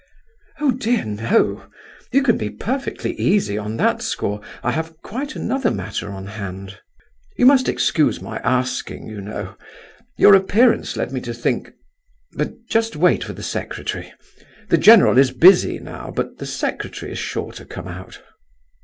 "Oh dear no, you can be perfectly easy on that score. I have quite another matter on hand." "You must excuse my asking, you know. Your appearance led me to think—but just wait for the secretary; the general is busy now, but the secretary is sure to come out."